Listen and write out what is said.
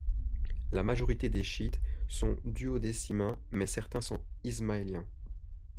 La majorité des chiites sont duodécimains, mais certains sont ismaéliens.